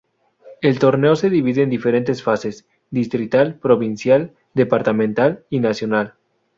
El torneo se divide en diferentes fases: Distrital, Provincial, Departamental y Nacional.